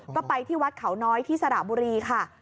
ก็ไปที่วัดเขาน้อยที่สระบุรีค่ะ